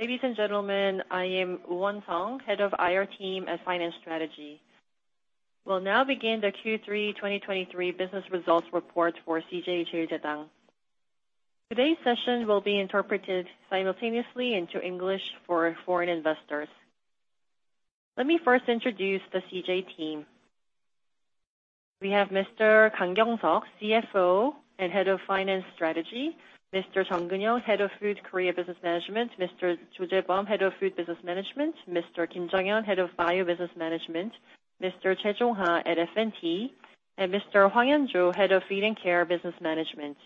Ladies and gentlemen, I am Won Song, Head of IR Team at Finance Strategy. We'll now begin the Q3 2023 business results report for CJ CheilJedang. Today's session will be interpreted simultaneously into English for foreign investors. Let me first introduce the CJ Team. We have Mr. Kang Gyung Seok, CFO and Head of Finance Strategy, Mr. Jung Kyun Young, Head of Food Korea Business Management, Mr. Jo Jae Bum, Head of Food Business Management, Mr. Kim Jong Hyun, Head of Bio Business Management, Mr. Choi Jong Ha at F&T, and Mr. Hwang Yun Jo, Head of Feed and Care Business Management.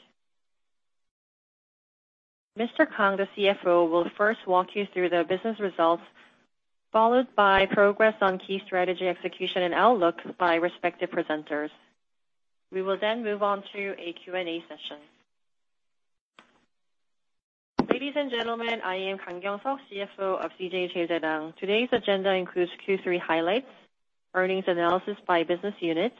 Mr. Kang, the CFO, will first walk you through the business results, followed by progress on key strategy execution and outlook by respective presenters. We will then move on to a Q&A session. Ladies and gentlemen, I am Kang Gyung Seok, CFO of CJ CheilJedang. Today's agenda includes Q3 highlights, earnings analysis by business unit,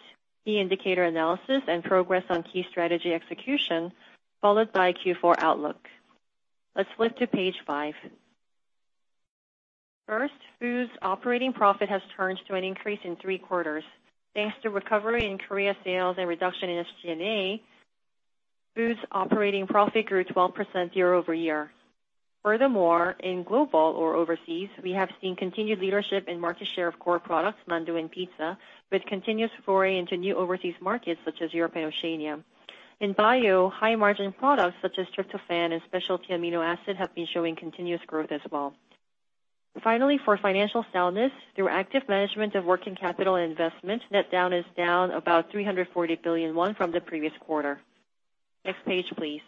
key indicator analysis, and progress on key strategy execution, followed by Q4 outlook. Let's flip to page five. First, Food's operating profit has turned to an increase in three quarters. Thanks to recovery in Korea sales and reduction in SG&A, Food's operating profit grew 12% year-over-year. Furthermore, in global or overseas, we have seen continued leadership in market share of core products, mandu and pizza, with continuous foray into new overseas markets such as Europe and Oceania. In Bio, high-margin products such as tryptophan and specialty amino acid have been showing continuous growth as well. Finally, for Financial Soundness, through active management of working capital and investment, net debt is down about 340 billion from the previous quarter. Next page, please.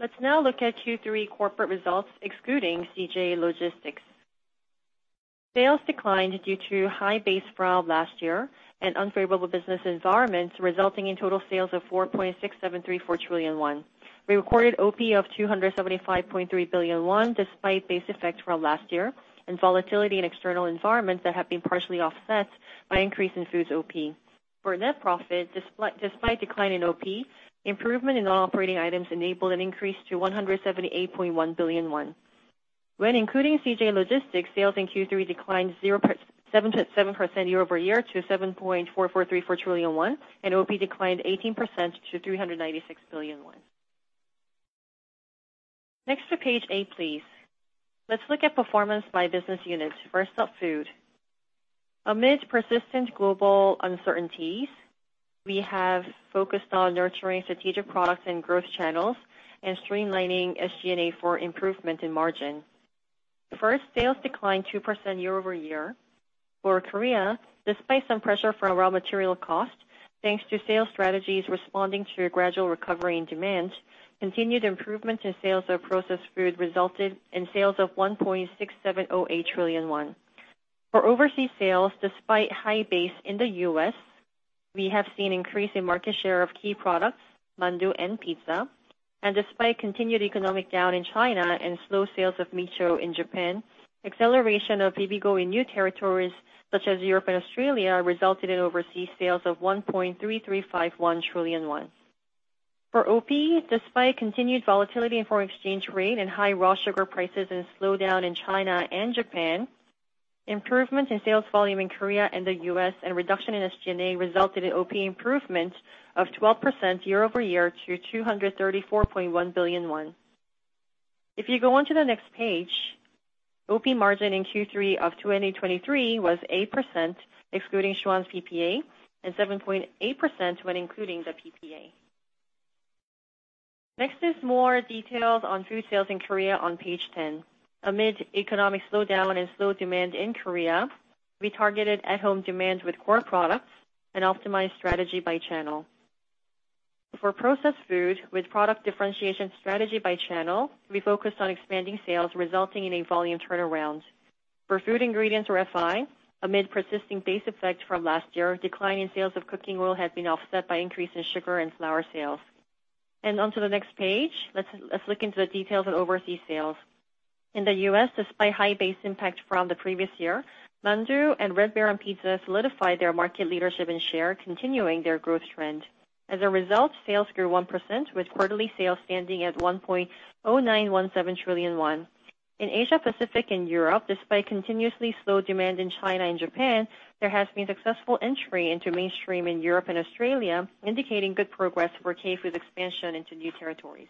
Let's now look at Q3 corporate results, excluding CJ Logistics. Sales declined due to high base from last year and unfavorable business environments, resulting in total sales of 4.6734 trillion won. We recorded OP of 275.3 billion won, despite base effect from last year and volatility in external environments that have been partially offset by increase in Foods OP. For net profit, despite decline in OP, improvement in all operating items enabled an increase to 178.1 billion won. When including CJ Logistics, sales in Q3 declined 0.77% year-over-year to 7.4434 trillion, and OP declined 18% to 396 billion. Next to page eight, please. Let's look at performance by business unit. First up, Food. Amid persistent global uncertainties, we have focused on nurturing strategic products and growth channels and streamlining SG&A for improvement in margin. First, sales declined 2% year-over-year. For Korea, despite some pressure from raw material costs, thanks to sales strategies responding to a gradual recovery in demand, continued improvement in sales of Processed Food resulted in sales of 1.6708 trillion won. For overseas sales, despite high base in the U.S., we have seen an increase in market share of key products, mandu and pizza, and despite continued economic down in China and slow sales of Micho in Japan, acceleration of Bibigo in new territories such as Europe and Australia, resulted in overseas sales of 1.3351 trillion won. For OP, despite continued volatility in foreign exchange rate and high raw sugar prices and slowdown in China and Japan, improvement in sales volume in Korea and the U.S. and reduction in SG&A resulted in OP improvement of 12% year-over-year to 234.1 billion won. If you go on to the next page, OP margin in Q3 of 2023 was 8%, excluding Schwan's PPA, and 7.8% when including the PPA. Next is more details on Food sales in Korea on page 10. Amid economic slowdown and slow demand in Korea, we targeted at-home demand with core products and optimized strategy by channel. For Processed Food, with product differentiation strategy by channel, we focused on expanding sales, resulting in a volume turnaround. For Food Ingredients, or FI, amid persisting base effect from last year, decline in sales of cooking oil had been offset by increase in sugar and flour sales. On to the next page, let's look into the details of overseas sales. In the U.S., despite high base impact from the previous year, mandu and Red Baron Pizza solidified their market leadership and share, continuing their growth trend. As a result, sales grew 1%, with quarterly sales standing at 1.0917 trillion won. In Asia Pacific and Europe, despite continuously slow demand in China and Japan, there has been successful entry into mainstream in Europe and Australia, indicating good progress for K-Food expansion into new territories.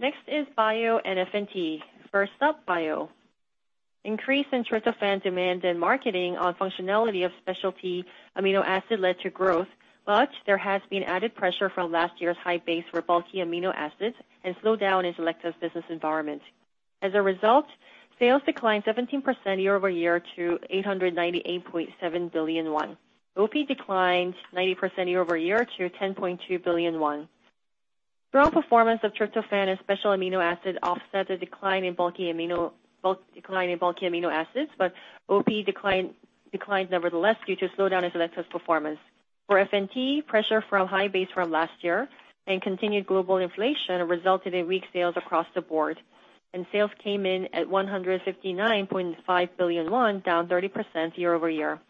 Next is Bio and F&T. First up, Bio. Increase in tryptophan demand and marketing on functionality of specialty amino acid led to growth, but there has been added pressure from last year's high base for bulky amino acids and slowdown in selective business environment. As a result, sales declined 17% year-over-year to 898.7 billion won. OP declined 90% year-over-year to 10.2 billion won. Strong performance of tryptophan and specialty amino acid offset the decline in bulky amino acids, but OP declined nevertheless due to slowdown in selective performance. For F&T, pressure from high base from last year and continued global inflation resulted in weak sales across the board. And sales came in at 159.5 billion won, down 30% year-over-year.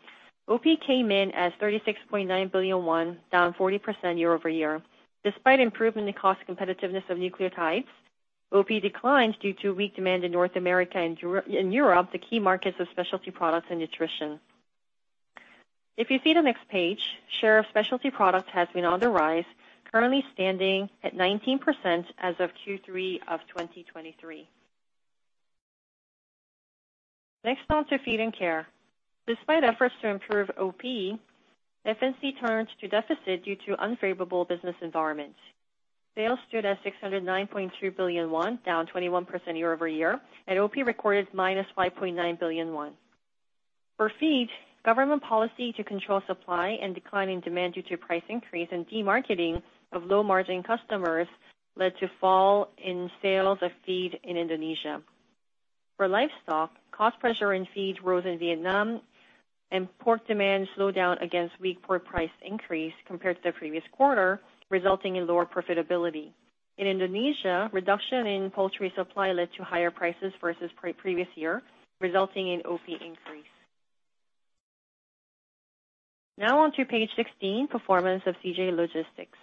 OP came in as 36.9 billion won, down 40% year-over-year. Despite improvement in the cost competitiveness of nucleotides, OP declined due to weak demand in North America and Europe, the key markets of specialty products and nutrition. If you see the next page, share of specialty products has been on the rise, currently standing at 19% as of Q3 of 2023. Next, on to Feed and Care. Despite efforts to improve OP, FNC turned to deficit due to unfavorable business environment. Sales stood at 609.2 billion won, down 21% year-over-year, and OP recorded -5.9 billion won. For Feed, government policy to control supply and declining demand due to price increase and demarketing of low-margin customers led to fall in sales of feed in Indonesia. For Livestock, cost pressure in feed rose in Vietnam, and pork demand slowed down against weak pork price increase compared to the previous quarter, resulting in lower profitability. In Indonesia, reduction in poultry supply led to higher prices versus pre-previous year, resulting in OP increase. Now on to page 16, performance of CJ Logistics.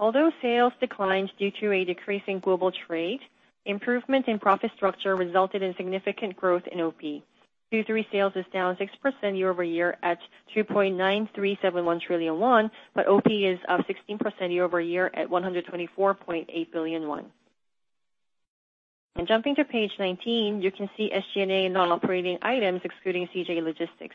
Although sales declined due to a decrease in global trade, improvement in profit structure resulted in significant growth in OP. Q3 sales is down 6% year-over-year at 2.9371 trillion won, but OP is up 16% year-over-year at 124.8 billion won. Jumping to page 19, you can see SG&A non-operating items excluding CJ Logistics.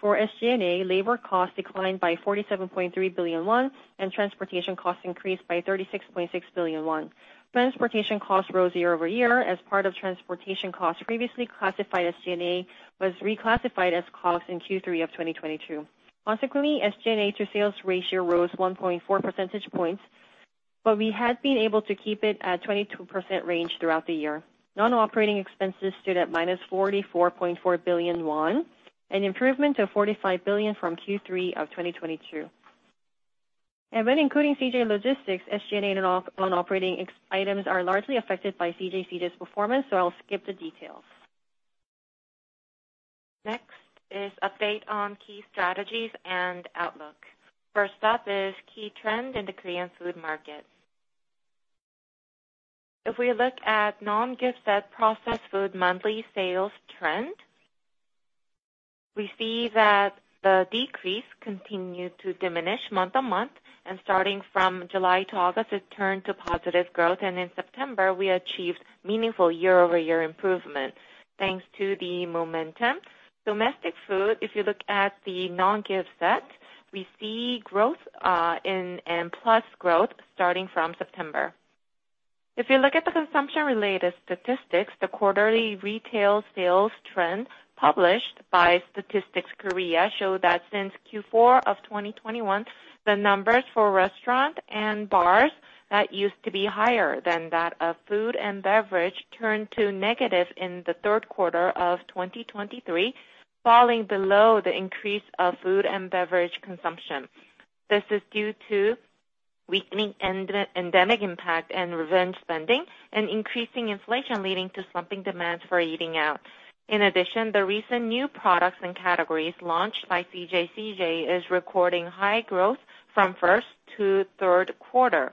For SG&A, labor costs declined by 47.3 billion won, and transportation costs increased by 36.6 billion won. Transportation costs rose year-over-year as part of transportation costs previously classified SG&A was reclassified as costs in Q3 of 2022. Consequently, SG&A to sales ratio rose 1.4 percentage points, but we have been able to keep it at 22% range throughout the year. Non-operating expenses stood at -44.4 billion won, an improvement of 45 billion from Q3 of 2022. When including CJ Logistics, SG&A and OP non-operating expenses items are largely affected by CJ Feed's performance, so I'll skip the details. Next is update on key strategies and outlook. First up is key trend in the Korean Food Market. If we look at non-gift set processed food monthly sales trend, we see that the decrease continued to diminish month-on-month, and starting from July to August, it turned to positive growth, and in September, we achieved meaningful year-over-year improvement, thanks to the momentum. Domestic Food, if you look at the non-gift set, we see growth, in, and plus growth starting from September. If you look at the consumption-related statistics, the quarterly retail sales trend published by Statistics Korea show that since Q4 of 2021, the numbers for restaurant and bars that used to be higher than that of Food and Beverage, turned to negative in the third quarter of 2023, falling below the increase of Food and Beverage consumption. This is due to weakening endemic impact and revenge spending and increasing inflation, leading to slumping demands for eating out. In addition, the recent new products and categories launched by CJ CJ is recording high growth from first to third quarter.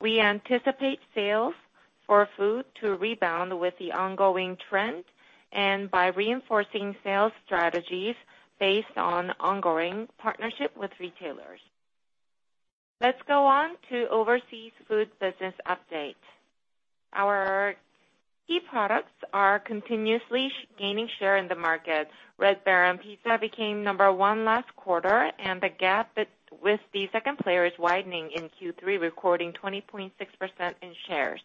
We anticipate sales for Food to rebound with the ongoing trend and by reinforcing sales strategies based on ongoing partnership with retailers. Let's go on to Overseas Food Business update. Our key products are continuously gaining share in the market. Red Baron Pizza became number one last quarter, and the gap with the second player is widening in Q3, recording 20.6% in shares.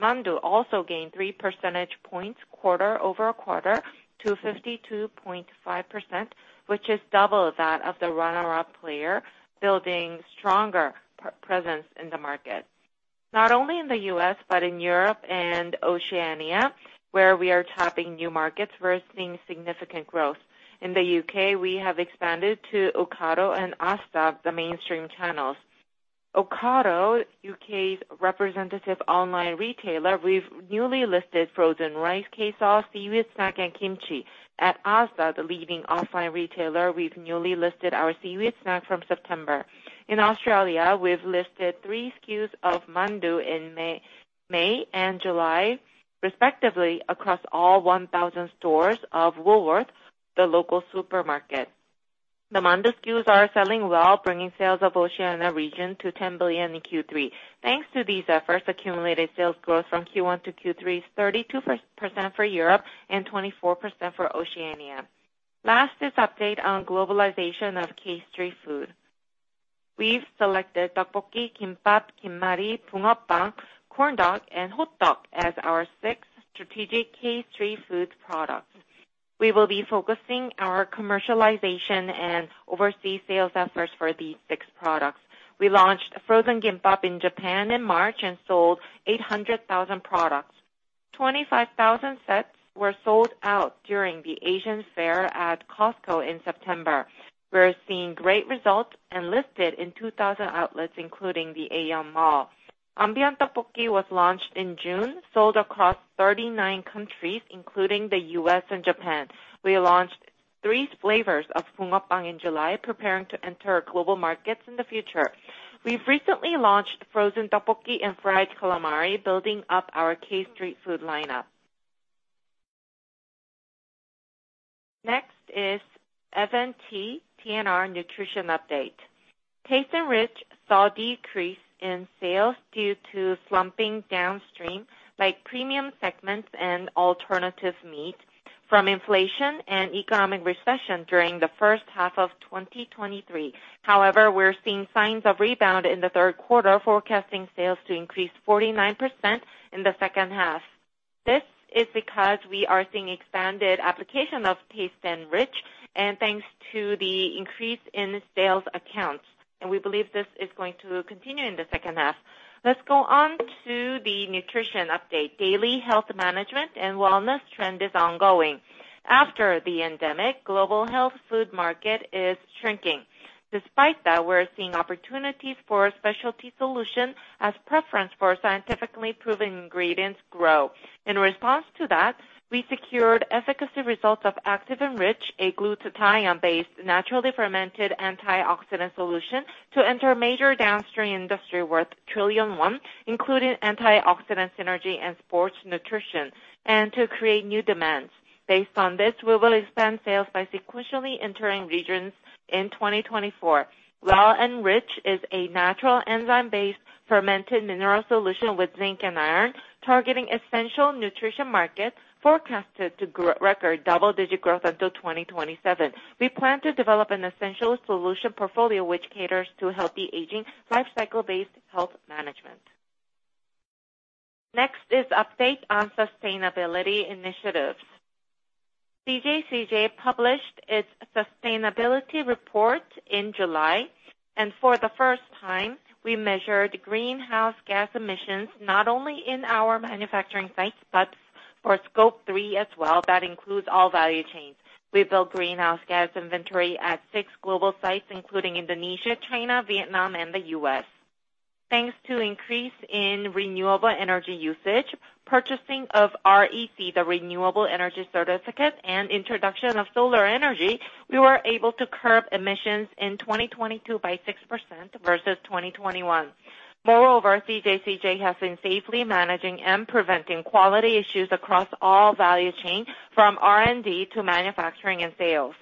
Mandu also gained three percentage points quarter-over-quarter to 52.5%, which is double that of the runner-up player, building stronger presence in the market, not only in the U.S., but in Europe and Oceania, where we are tapping new markets, we're seeing significant growth. In the U.K., we have expanded to Ocado and Asda, the mainstream channels. Ocado, U.K.'s representative online retailer, we've newly listed frozen rice, K-sauce, seaweed snack, and kimchi. At Asda, the leading offline retailer, we've newly listed our seaweed snack from September. In Australia, we've listed three SKUs of mandu in May, May and July, respectively, across all 1,000 stores of Woolworths, the local supermarket. The mandu SKUs are selling well, bringing sales of Oceania region to 10 billion in Q3. Thanks to these efforts, accumulated sales growth from Q1 to Q3 is 32% for Europe and 24% for Oceania. Last is update on globalization of K-Street Food. We've selected tteokbokki, gimbap, Gimmari, bungeo-ppang, corn dog, and hotteok as our 6 strategic K-Street Food products. We will be focusing our commercialization and overseas sales efforts for these six products. We launched frozen gimbap in Japan in March and sold 800,000 products. 25,000 sets were sold out during the Asian fair at Costco in September. We're seeing great results and listed in 2,000 outlets, including the Aeon Mall. Ambient Tteokbokki was launched in June, sold across 39 countries, including the U.S. and Japan. We launched three flavors of Bungeo-ppang in July, preparing to enter global markets in the future. We've recently launched frozen tteokbokki and fried calamari, building up our K-Street Food lineup. Next is F&T, TNR Nutrition update. TasteNrich saw a decrease in sales due to slumping downstream, like premium segments and alternative meat, from inflation and economic recession during the first half of 2023. However, we're seeing signs of rebound in the third quarter, forecasting sales to increase 49% in the second half. This is because we are seeing expanded application of TasteNrich, and thanks to the increase in sales accounts, and we believe this is going to continue in the second half. Let's go on to the nutrition update. Daily health management and wellness trend is ongoing. After the endemic, global health food market is shrinking. Despite that, we're seeing opportunities for specialty solutions as preference for scientifically proven ingredients grow. In response to that, we secured efficacy results of ActivNrich, a glutathione-based, naturally fermented antioxidant solution, to enter major downstream industry worth 1 trillion won, including antioxidant synergy and sports nutrition, and to create new demands. Based on this, we will expand sales by sequentially entering regions in 2024. WellNrichich is a natural enzyme-based fermented mineral solution with zinc and iron, targeting essential nutrition markets forecasted to record double-digit growth until 2027. We plan to develop an essential solution portfolio which caters to healthy aging, life cycle-based health management. Next is update on sustainability initiatives. CJ CheilJedang published its sustainability report in July, and for the first time, we measured greenhouse gas emissions, not only in our manufacturing sites, but for scope three as well. That includes all value chains. We built greenhouse gas inventory at 6 global sites, including Indonesia, China, Vietnam, and the U.S. Thanks to increase in renewable energy usage, purchasing of REC, the Renewable Energy Certificate, and introduction of solar energy, we were able to curb emissions in 2022 by 6% versus 2021. Moreover, CJ CheilJedang has been safely managing and preventing quality issues across all value chains, from R&D to manufacturing and sales.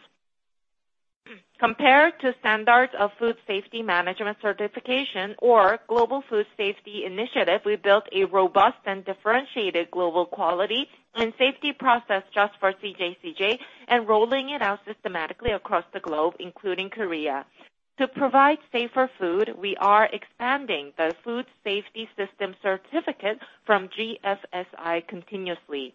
Compared to standards of food safety management certification or Global Food Safety Initiative, we built a robust and differentiated global quality and safety process just for CJ CheilJedang, and rolling it out systematically across the globe, including Korea. To provide safer food, we are expanding the food safety system certificate from GFSI continuously.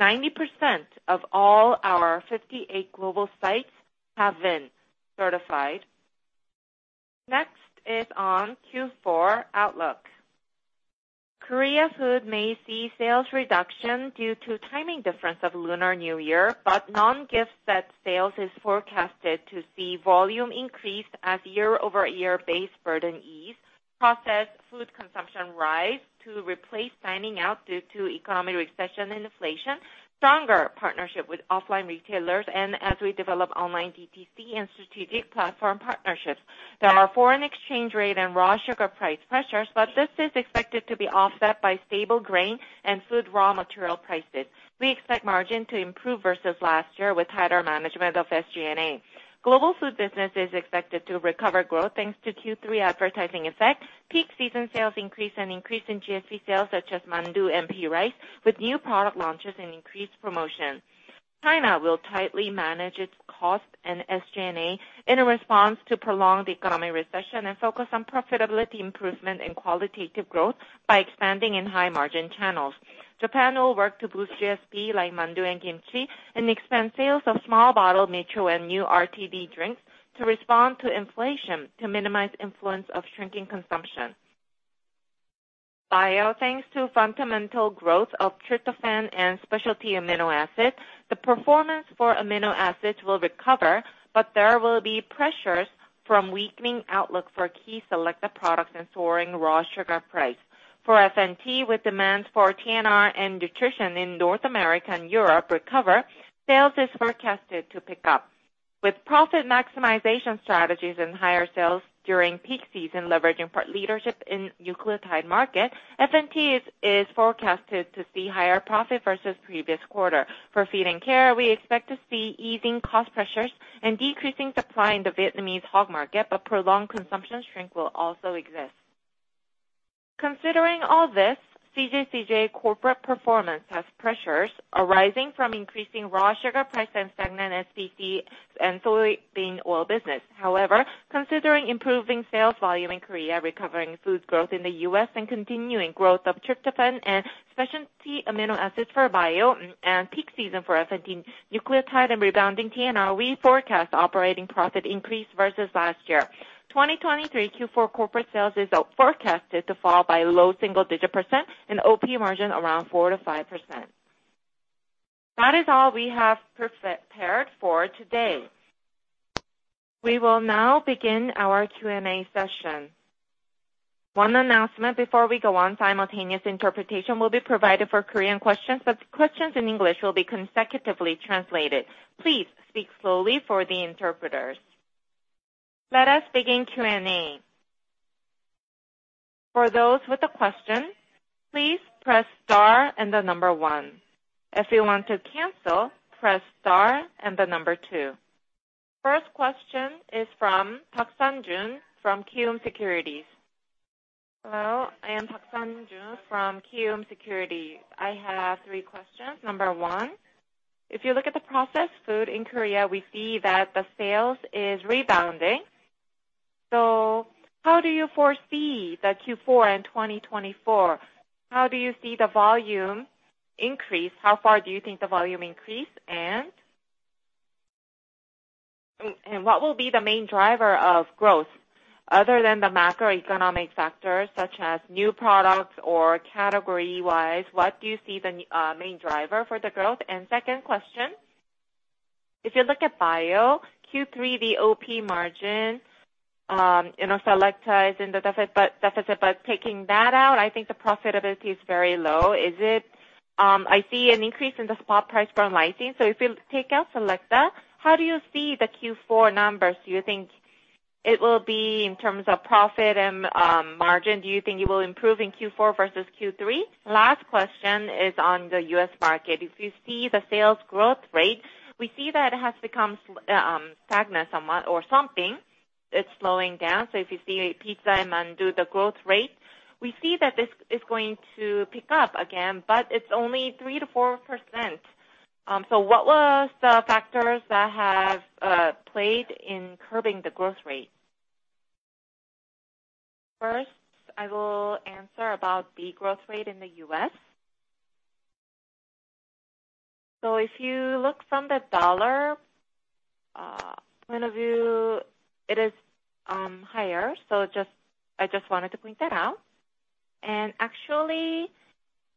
90% of all our 58 global sites have been certified. Next is on Q4 outlook. Korea Food may see sales reduction due to timing difference of Lunar New Year, but non-gift set sales is forecasted to see volume increase as year-over-year base burden ease, processed food consumption rise to replace dining out due to economic recession and inflation, stronger partnership with offline retailers, and as we develop online DTC and strategic platform partnerships. There are foreign exchange rate and raw sugar price pressures, but this is expected to be offset by stable grain and food raw material prices. We expect margin to improve versus last year with tighter management of SG&A. Global Food Business is expected to recover growth, thanks to Q3 advertising effect, peak season sales increase, and increase in GSP sales, such as mandu and rice, with new product launches and increased promotions. China will tightly manage its cost and SG&A in a response to prolonged economic recession, and focus on profitability improvement and qualitative growth by expanding in high-margin channels. Japan will work to boost GSP, like mandu and kimchi, and expand sales of small bottle Micho and new RTD drinks to respond to inflation, to minimize influence of shrinking consumption. Bio, thanks to fundamental growth of tryptophan and specialty amino acids, the performance for amino acids will recover, but there will be pressures from weakening outlook for key selected products and soaring raw sugar price. For F&T, with demands for TNR and nutrition in North America and Europe recover, sales is forecasted to pick up. With profit maximization strategies and higher sales during peak season, leveraging market leadership in nucleotide market, F&T is forecasted to see higher profit versus previous quarter. For Feed and Care, we expect to see easing cost pressures and decreasing supply in the Vietnamese hog market, but prolonged consumption shrink will also exist. Considering all this, CJ corporate performance has pressures arising from increasing raw sugar price and stagnant SPC and Soybean Oil Business. However, considering improving sales volume in Korea, recovering foods growth in the U.S., and continuing growth of tryptophan and specialty amino acids for Bio and peak season for F&T nucleotide and rebounding TNR, we forecast operating profit increase versus last year. 2023 Q4 corporate sales is forecasted to fall by low single-digit% and OP margin around 4%-5%. That is all we have prepared for today. We will now begin our Q&A session. One announcement before we go on, simultaneous interpretation will be provided for Korean questions, but questions in English will be consecutively translated. Please speak slowly for the interpreters. Let us begin Q&A. For those with a question, please press star and the number one. If you want to cancel, press star and the number two. First question is from Park Sang Jun from Kiwoom Securities. Hello, I am Park Sang Jun from Kiwoom Securities. I have three questions. Number one, if you look at the Processed Food in Korea, we see that the sales is rebounding. So how do you foresee the Q4 in 2024? How do you see the volume increase? How far do you think the volume increase, and, and what will be the main driver of growth other than the macroeconomic factors, such as new products or category-wise, what do you see the main driver for the growth? And second question, if you look at Bio, Q3 the OP margin, you know, Selecta is in the deficit, but taking that out, I think the profitability is very low. Is it, I see an increase in the spot price for lysine. So if you take out Selecta, how do you see the Q4 numbers? Do you think it will be in terms of profit and margin? Do you think it will improve in Q4 versus Q3? Last question is on the U.S. market. If you see the sales growth rate, we see that it has become stagnant somewhat or something. It's slowing down. So if you see pizza and mandu, the growth rate, we see that this is going to pick up again, but it's only 3%-4%. So what were the factors that have played in curbing the growth rate? First, I will answer about the growth rate in the U.S. So if you look from the dollar point-of-view, it is higher. So just, I just wanted to point that out. And actually,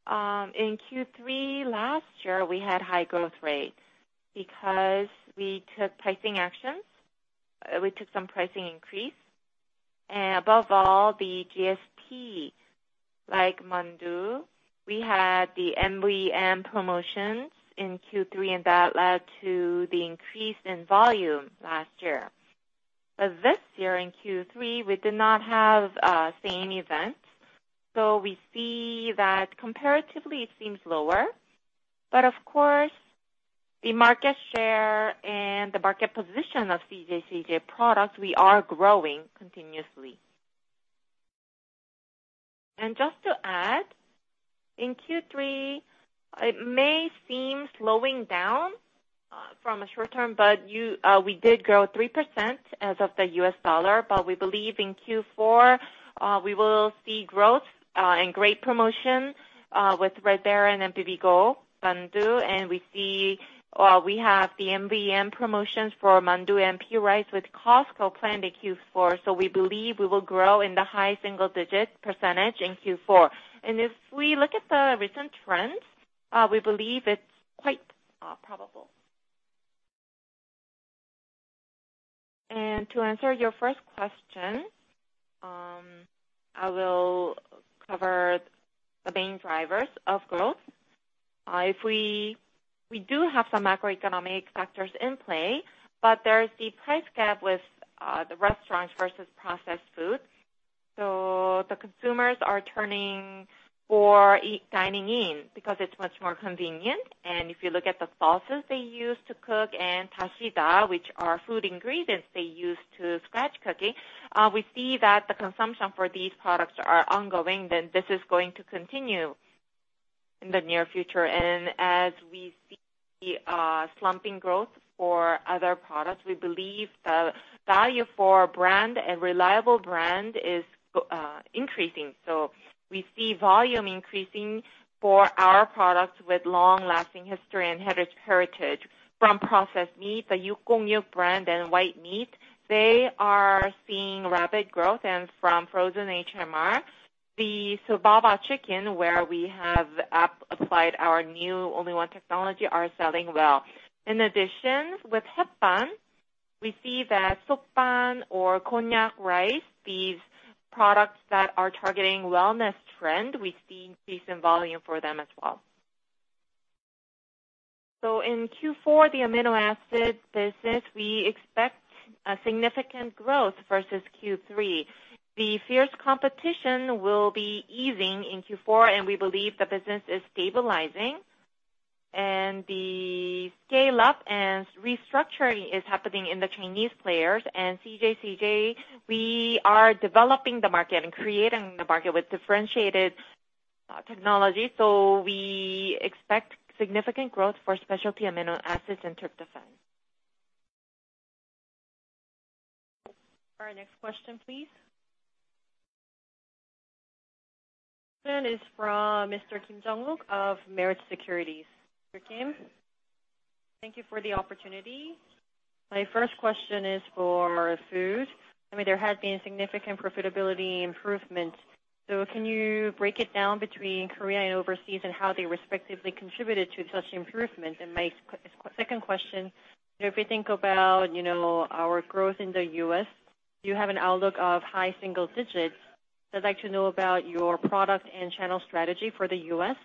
in Q3 last year, we had high growth rate because we took pricing actions. We took some pricing increase, and above all, the GSP, like mandu, we had the MVM promotions in Q3, and that led to the increase in volume last year. But this year, in Q3, we did not have same events, so we see that comparatively it seems lower. But of course, the market share and the market position of CJ CheilJedang products, we are growing continuously. And just to add, in Q3, it may seem slowing down from a short term, but you, we did grow 3% in U.S. dollars, but we believe in Q4, we will see growth and great promotion with Red Baron and bibigo mandu. And we see, we have the MVM promotions for mandu and p-rice with Costco planned in Q4. So we believe we will grow in the high single-digit percentage in Q4. If we look at the recent trends, we believe it's quite probable. To answer your first question, I will cover the main drivers of growth. We do have some macroeconomic factors in play, but there is the price gap with the restaurants versus processed foods. So the consumers are turning to dining in because it's much more convenient. If you look at the sauces they use to cook and Dasida, which are food ingredients they use for scratch cooking, we see that the consumption for these products are ongoing, then this is going to continue in the near future. As we see slumping growth for other products, we believe the value for brand and reliable brand is increasing. So we see volume increasing for our products with long-lasting history and heritage. From processed meat, the Yukgongyuk brand and white meat, they are seeing rapid growth, and from frozen HMR, the Sobaba chicken, where we have applied our new Onlyone Technology, are selling well. In addition, with Hetbahn, we see that Sotban or konjac rice, these products that are targeting wellness trend, we see increase in volume for them as well. So in Q4, the Amino Acid Business, we expect a significant growth versus Q3. The fierce competition will be easing in Q4, and we believe the business is stabilizing, and the scale-up and restructuring is happening in the Chinese players. CJ CheilJedang, we are developing the market and creating the market with differentiated technology. So we expect significant growth for specialty amino acids and tryptophan. Our next question, please. Then is from Mr. Kim Jung Wook of Meritz Securities. Mr. Kim? Thank you for the opportunity. My first question is for Food. I mean, there has been significant profitability improvements. So can you break it down between Korea and overseas and how they respectively contributed to such improvement? And my second question, if you think about, you know, our growth in the U.S., you have an outlook of high single digits. I'd like to know about your product and channel strategy for the U.S.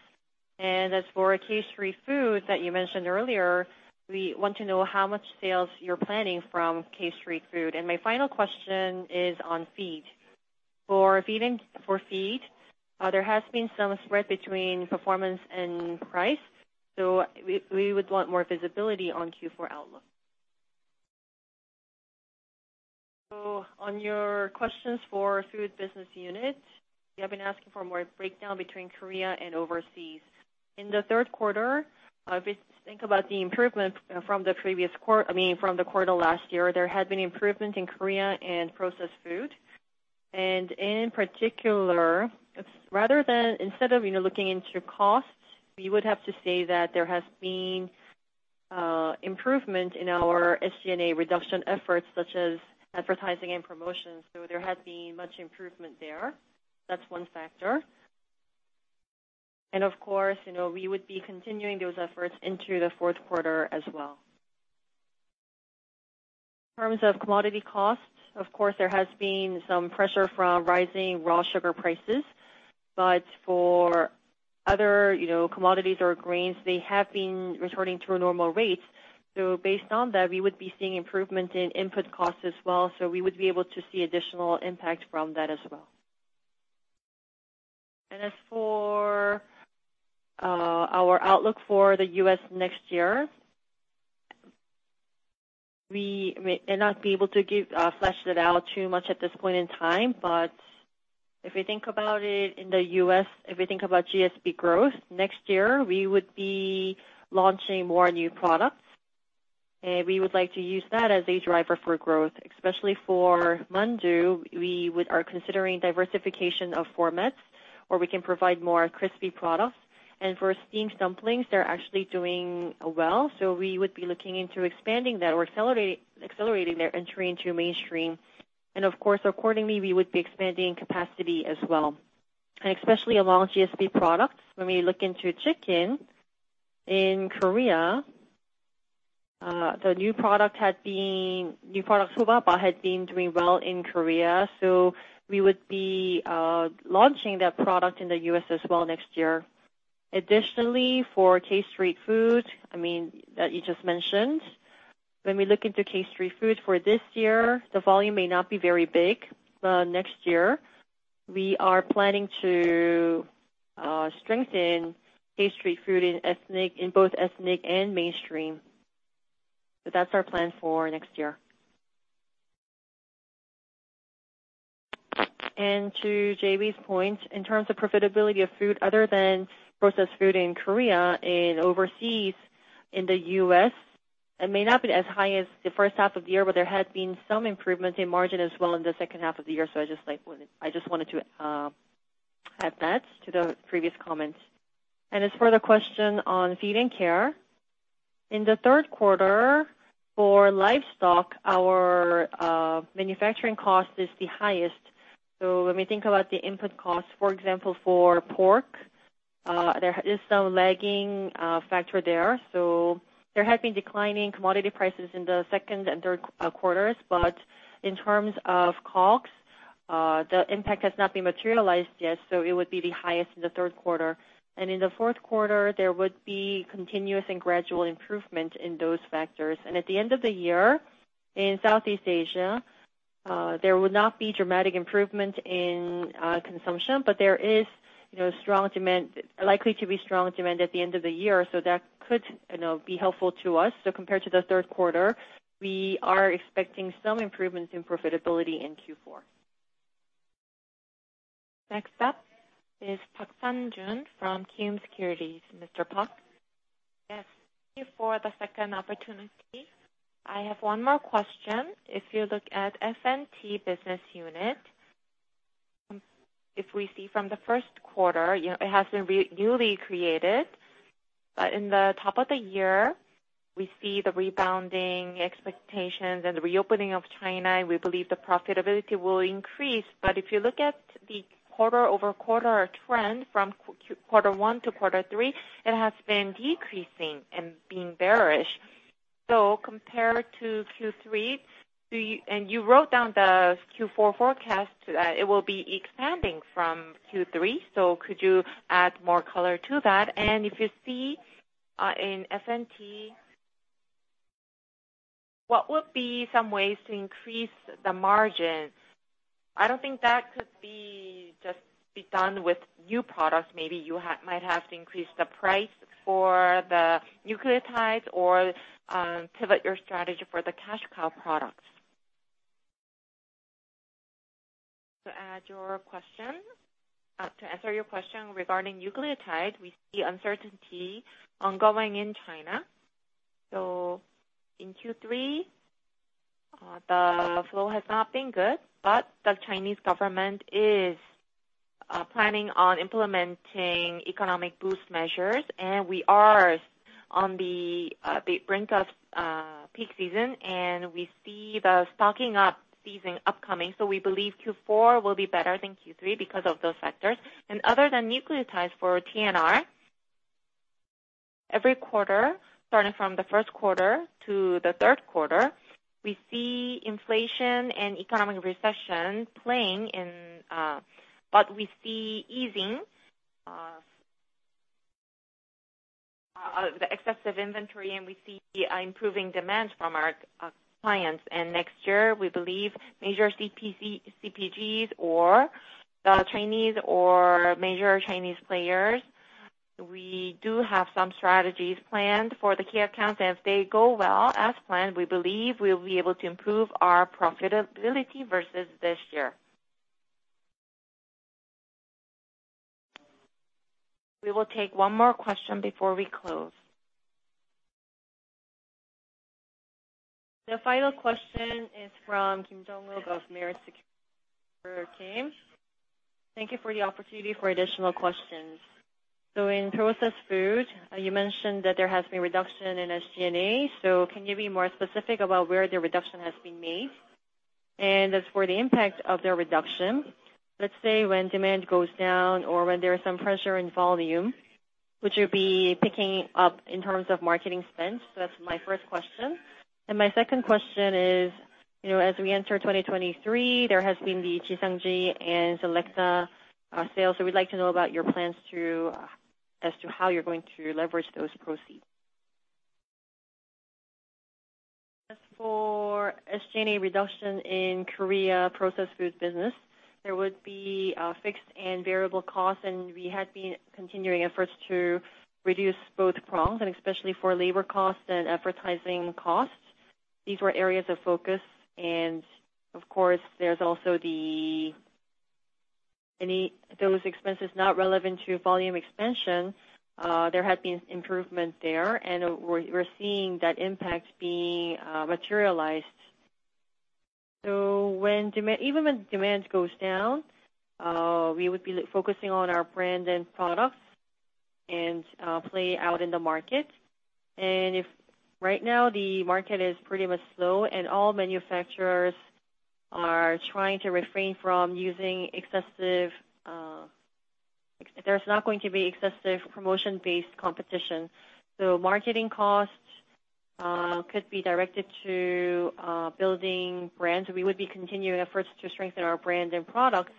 And as for K-Street Food that you mentioned earlier, we want to know how much sales you're planning from K-Street Food. And my final question is on feed. For feeding, for feed, there has been some spread between performance and price, so we, we would want more visibility on Q4 outlook. So on your questions for Food Business Unit, you have been asking for more breakdown between Korea and overseas. In the third quarter, if you think about the improvement from the previous quarter, I mean, from the quarter last year, there had been improvement in Korea and Processed Food. And in particular, rather than, instead of looking into costs, we would have to say that there has been improvement in our SG&A reduction efforts, such as advertising and promotions. So there has been much improvement there. That's one factor. And of course, you know, we would be continuing those efforts into the fourth quarter as well. In terms of commodity costs, of course, there has been some pressure from rising raw sugar prices, but for other, you know, commodities or grains, they have been returning to normal rates. So based on that, we would be seeing improvement in input costs as well. So we would be able to see additional impact from that as well. As for our outlook for the U.S. next year, we may not be able to give flesh it out too much at this point in time, but if we think about it, in the U.S., if we think about GSP growth, next year, we would be launching more new products, and we would like to use that as a driver for growth. Especially for mandu, we are considering diversification of formats, where we can provide more crispy products. For steamed dumplings, they're actually doing well, so we would be looking into expanding that or accelerating their entry into mainstream. Of course, accordingly, we would be expanding capacity as well, and especially along GSP products. When we look into chicken in Korea, the new product had been, new product, Sobawa, had been doing well in Korea, so we would be launching that product in the U.S. as well next year. Additionally, for K-Street Food, I mean, that you just mentioned, when we look into K-Street Food for this year, the volume may not be very big, but next year we are planning to strengthen K-Street Food in ethnic, in both ethnic and mainstream. So that's our plan for next year. And to JB's point, in terms of profitability of Food, other than Processed Food in Korea and overseas, in the U.S., it may not be as high as the first half of the year, but there has been some improvement in margin as well in the second half of the year. So I just like, I just wanted to add that to the previous comments. And as for the question on feed and care, in the third quarter, for livestock, our manufacturing cost is the highest. So when we think about the input cost, for example, for pork, there is some lagging factor there. So there has been declining commodity prices in the second and third quarters. But in terms of costs, the impact has not been materialized yet, so it would be the highest in the third quarter. And in the fourth quarter, there would be continuous and gradual improvement in those factors. And at the end of the year, in Southeast Asia, there would not be dramatic improvement in consumption, but there is, you know, strong demand, likely to be strong demand at the end of the year. That could, you know, be helpful to us. Compared to the third quarter, we are expecting some improvement in profitability in Q4. Next up is Park Sang Jun from Kiwoom Securities. Mr. Park? Yes, thank you for the second opportunity. I have one more question. If you look at F&T Business Unit, if we see from the first quarter, it has been recently created. But at the top of the year, we see the rebounding expectations and the reopening of China, and we believe the profitability will increase. But if you look at the quarter-over-quarter trend, from quarter one to quarter three, it has been decreasing and being bearish. So compared to Q3, do you, and you wrote down the Q4 forecast, it will be expanding from Q3. So could you add more color to that? And if you see in F&T, what would be some ways to increase the margins? I don't think that could just be done with new products. Maybe you have, might have to increase the price for the nucleotides or pivot your strategy for the cash cow products. To answer your question regarding nucleotide, we see uncertainty ongoing in China. So in Q3, the flow has not been good, but the Chinese government is planning on implementing economic boost measures, and we are on the brink of peak season, and we see the stocking up season upcoming. So we believe Q4 will be better than Q3 because of those factors. And other than nucleotides for TNR, every quarter, starting from the first quarter to the third quarter, we see inflation and economic recession playing in, but we see easing the excessive inventory, and we see improving demand from our clients. Next year, we believe major CPGs or the Chinese or major Chinese players, we do have some strategies planned for the key accounts, and if they go well as planned, we believe we'll be able to improve our profitability versus this year. We will take one more question before we close. The final question is from Kim Jung Wook of Meritz Securities Team. Thank you for the opportunity for additional questions. So in Processed Food, you mentioned that there has been a reduction in SG&A, so can you be more specific about where the reduction has been made? And as for the impact of the reduction, let's say, when demand goes down or when there is some pressure in volume, would you be picking up in terms of marketing spend? So that's my first question. And my second question is, you know, as we enter 2023, there has been the Jixiangju and Selecta sales. So we'd like to know about your plans to, as to how you're going to leverage those proceeds. As for SG&A reduction in Korea Processed Food Business, there would be fixed and variable costs, and we had been continuing efforts to reduce both prongs, and especially for labor costs and advertising costs. These were areas of focus, and of course, there's also the expenses not relevant to volume expansion. There had been improvement there, and we're seeing that impact being materialized. So when demand, even when demand goes down, we would be focusing on our brand and products and play out in the market. And if right now the market is pretty much slow and all manufacturers are trying to refrain from using excessive. There's not going to be excessive promotion-based competition. So marketing costs could be directed to building brands. We would be continuing efforts to strengthen our brand and products,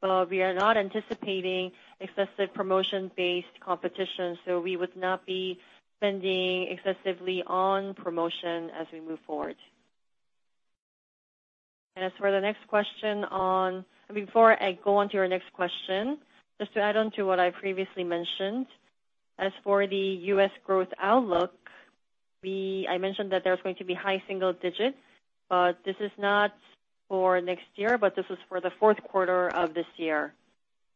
but we are not anticipating excessive promotion-based competition, so we would not be spending excessively on promotion as we move forward. Before I go on to your next question, just to add on to what I previously mentioned, as for the U.S. growth outlook, I mentioned that there's going to be high single digits, but this is not for next year, but this is for the fourth quarter of this year.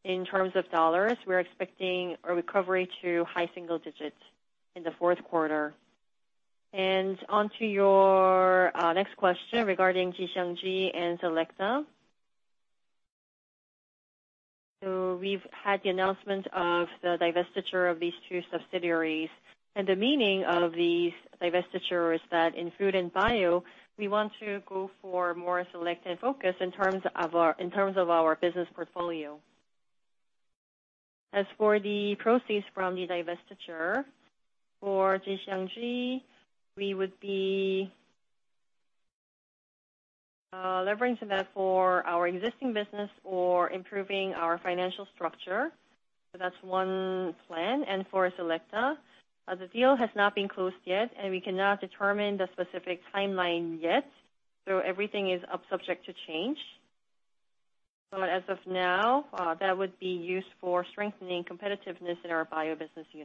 In terms of dollars, we're expecting a recovery to high single digits in the fourth quarter. And on to your next question regarding Jiseongji and Selecta. So we've had the announcement of the divestiture of these two subsidiaries, and the meaning of these divestitures is that in Food and Bio, we want to go for more selective focus in terms of our business portfolio. As for the proceeds from the divestiture, for Jiseongji, we would be, leveraging that for our existing business or improving our financial structure. So that's one plan. And for Selecta, the deal has not been closed yet, and we cannot determine the specific timeline yet, so everything is up subject to change. But as of now, that would be used for strengthening competitiveness in our Bio Business Unit.